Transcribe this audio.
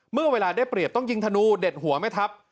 เมื่อเวลาได้เปรียบต้องยิงธนูเด็ดหัวแม่ทัพ